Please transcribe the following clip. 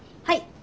はい。